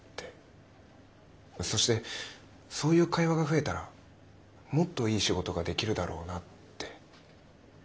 そしてそういう会話が増えたらもっといい仕事ができるだろうなって。